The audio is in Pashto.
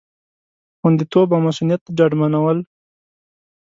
خوندیتوب او مصئونیت ډاډمنول